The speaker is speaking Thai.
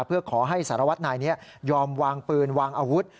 เพื่อขอให้สารวัตรนายนี้ยอมวางปืนวางอาวุธ